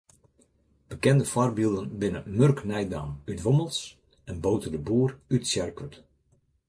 Bekende foarbylden binne Murk Nijdam út Wommels en Bote de Boer út Tsjerkwert.